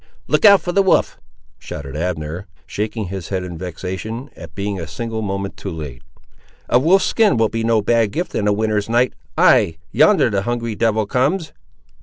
"Look out for the wolf!" shouted Abner, shaking his head in vexation, at being a single moment too late. "A wolf's skin will be no bad gift in a winter's night; ay, yonder the hungry devil comes!"